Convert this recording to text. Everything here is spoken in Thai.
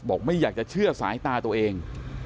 ไม่อยากจะเชื่อสายตาตัวเอง